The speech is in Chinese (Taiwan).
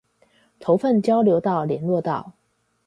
頭份交流道聯絡道